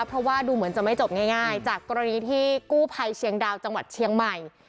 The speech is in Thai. เพราะว่าดูเหมือนจะไม่จบง่ายจากกรณีที่กู้ภัยเชียงดาวจังหวัดเชียงใหม่